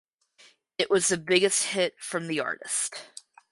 It was the biggest hit from the artist.